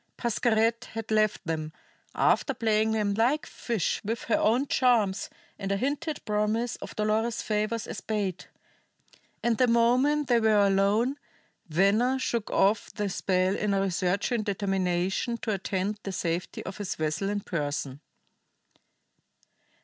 Pascherette had left them, after playing them like fish with her own charms and a hinted promise of Dolores's favors as bait; and the moment they were alone Venner shook off the spell in a resurging determination to attend to the safety of his vessel in person.